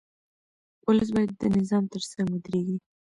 ولس باید د نظام ترڅنګ ودرېږي.